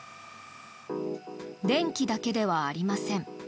電気だけではありません。